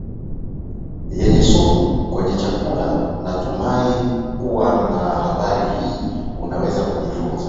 yenye sumu kwenye chakulaNatumai kuwa na habari hii unaweza kujifunza